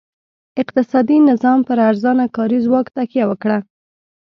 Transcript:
اقتصادي نظام پر ارزانه کاري ځواک تکیه وکړه.